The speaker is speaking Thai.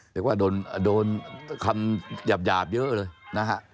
เรียกว่าโดนคำหยาบเยอะเลยนะฮะ